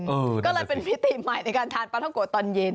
ก็เลยเป็นมิติใหม่ในการทานปลาท้องโกะตอนเย็น